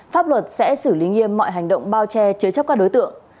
pháp luật sẽ xử lý nghiêm mọi hành động bao che chứa chấp các đối tượng